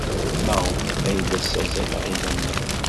Maɣef ay la ssazzaleɣ idammen?